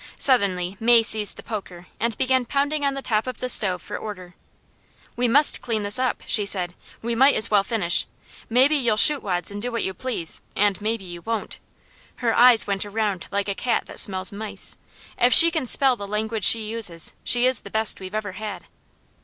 Suddenly May seized the poker and began pounding on the top of the stove for order. "We must clean this up," she said. "We might as well finish. Maybe you'll shoot wads and do what you please, and maybe you won't. Her eyes went around like a cat that smells mice. If she can spell the language she uses, she is the best we've ever had."